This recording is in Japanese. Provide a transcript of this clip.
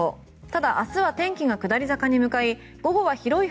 ただ、明日は天気が下り坂に向かい